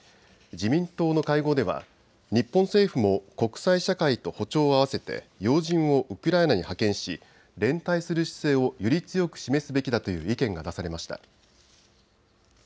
自民党の会合では日本政府も国際社会と歩調を合わせて要人をウクライナに派遣し連帯する姿勢をより強く示すべきだという意見が出されました。